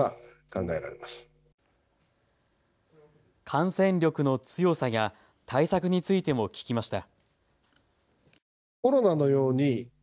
感染力の強さや対策についても聞きました。